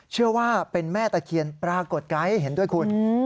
เชื่อว่าเป็นแม่ตะเคียนปรากฏไกด์ให้เห็นด้วยคุณ